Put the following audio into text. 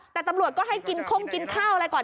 แต่ตำรวจก็ให้กินข้งกินข้าวอะไรก่อน